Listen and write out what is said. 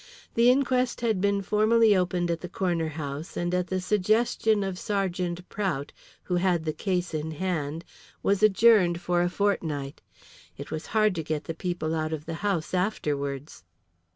The inquest had been formally opened at the corner house, and at the suggestion of Sergeant Prout, who had the case in hand, was adjourned for a fortnight. It was hard to get the people out of the house afterwards.